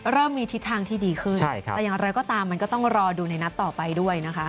เริ่มมีทิศทางที่ดีขึ้นแต่อย่างไรก็ตามมันก็ต้องรอดูในนัดต่อไปด้วยนะคะ